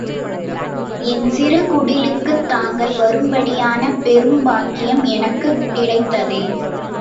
என் சிறு குடிலுக்குத் தாங்கள் வரும்படியான பெரும் பாக்கியம் எனக்குக் கிடைத்ததே!